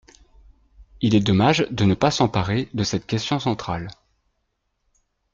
Il est dommage de ne pas s’emparer de cette question centrale.